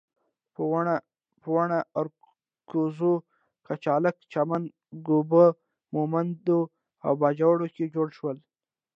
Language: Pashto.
په واڼه، ارکزو، کچلاک، چمن، ږوب، مومندو او باجوړ کې جوړ شول.